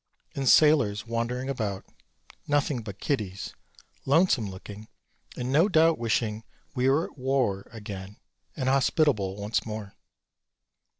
And sailors wandering about, nothing but kiddies, lonesome looking and no doubt wishing we were at War again and hospitable once more.